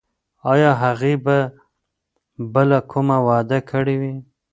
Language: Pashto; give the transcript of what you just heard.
ایا هغې به بله کومه وعده کړې وي؟